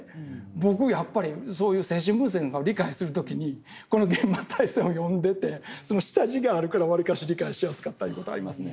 僕やっぱりそういう精神分析なんかを理解する時にこの「幻魔大戦」を読んでてその下地があるからわりかし理解しやすかったいう事ありますね。